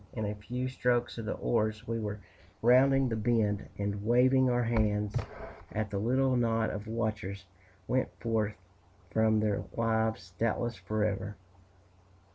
In a few strokes of the oars we were rounding the bend; and waving our hands at the little knot of watchers, went forth from their lives, doubtless forever.